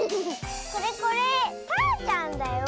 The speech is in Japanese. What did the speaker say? これこれたーちゃんだよ。